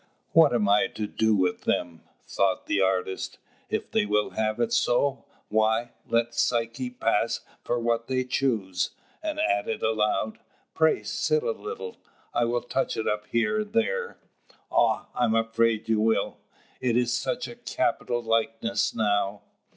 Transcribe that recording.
"What am I to do with them?" thought the artist. "If they will have it so, why, let Psyche pass for what they choose:" and added aloud, "Pray sit a little: I will touch it up here and there." "Ah! I am afraid you will... it is such a capital likeness now!"